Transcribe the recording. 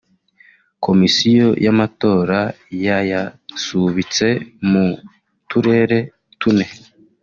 Komisiyo y’Amatora yayasubitse mu turere tune